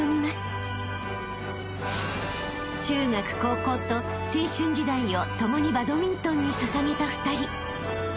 ［中学高校と青春時代をともにバドミントンに捧げた２人］